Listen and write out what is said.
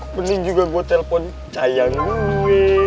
mending juga gue telepon sayang gue